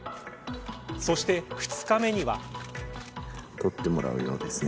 そして２日目には。